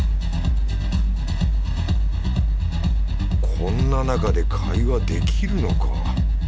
こんな中で会話できるのか